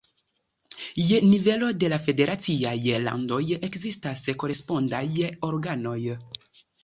Je nivelo de la federaciaj landoj ekzistas korespondaj organoj.